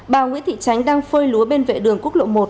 bà nguyễn thị tránh đang phơi lúa bên vệ đường quốc lộ một